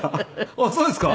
あっそうですか。